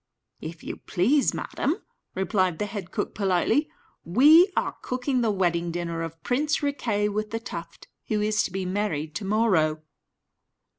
"If you please, madam," replied the head cook, politely, "we are cooking the wedding dinner of Prince Riquet with the Tuft, who is to be married to morrow."